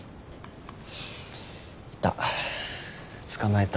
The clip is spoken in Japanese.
いた。